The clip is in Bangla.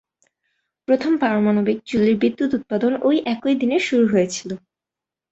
প্রথম পারমাণবিক চুল্লির বিদ্যুৎ উৎপাদন ওই একই দিনে শুরু হয়েছিল।